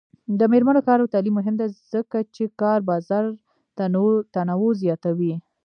د میرمنو کار او تعلیم مهم دی ځکه چې کار بازار تنوع زیاتوي.